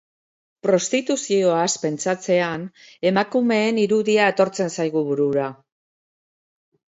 Prostituzioaz penstatzean, emakumeen irudia etortzen zaigu burura.